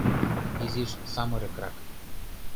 Изиш самырыкрак...